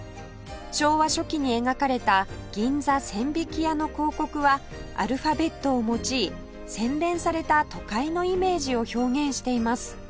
昭和初期に描かれた銀座千疋屋の広告はアルファベットを用い洗練された都会のイメージを表現しています